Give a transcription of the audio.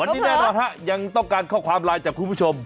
วันนี้แน่นอนฮะยังต้องการข้อความไลน์จากคุณผู้ชม